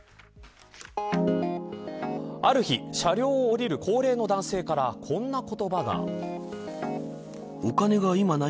ある日、車両を降りる高齢の男性からこんな言葉が。